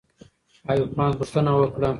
ایوب خان پوښتنه وکړه.